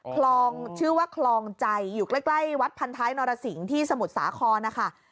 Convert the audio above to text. คลองชื่อว่าคลองใจอยู่ใกล้วัดพันท้ายนรสิงที่สมุทรสาครนะคะ